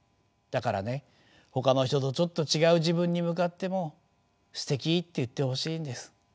だからねほかの人とちょっと違う自分に向かっても「すてき！」って言ってほしいんです。